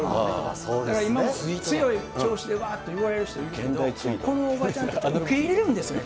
今も強い調子でわーって言われる人いるけど、このおばちゃんたちは受け入れるんですもん。